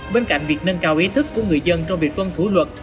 bên cạnh việc nâng cao ý thức của người dân trong việc tuân thủ luật